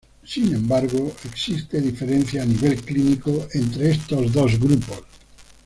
Sin embargo existe diferencia a nivel clínico entre estos dos grupos.